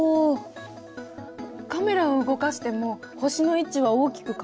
カメラを動かしても星の位置は大きく変わらないわ。